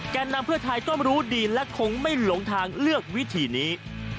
นำเพื่อไทยต้องรู้ดีและคงไม่หลงทางเลือกวิธีนี้